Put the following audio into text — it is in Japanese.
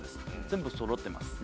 全部そろってます。